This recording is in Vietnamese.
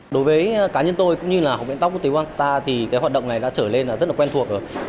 đối với cá nhân tôi cũng như là học viện tóc quốc tế walstar thì cái hoạt động này đã trở lên là rất là quen thuộc rồi